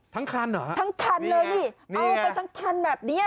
ทั้งคันเหรอทั้งคันเลยนี่เอาไปทั้งคันแบบนี้